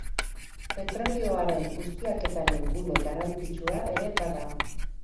Petrolioaren ustiaketaren gune garrantzitsua ere bada.